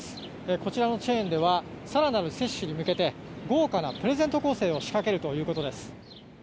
こちらのチェーンでは更なる接種に向けて豪華なプレゼント攻勢を仕掛けるということです。